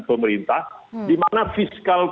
pemerintah di mana fiskal